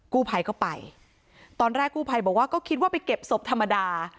กู้ภัยก็ไปตอนแรกกู้ภัยบอกว่าก็คิดว่าไปเก็บศพธรรมดา